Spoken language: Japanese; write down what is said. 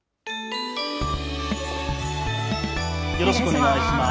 よろしくお願いします。